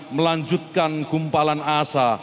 melanjutkan gumpalan asa